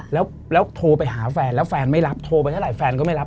แล้วโทรไปหาแฟนแล้วแฟนไม่รับโทรไปเท่าไหรแฟนก็ไม่รับ